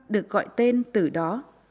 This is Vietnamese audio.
được gọi tên từ đó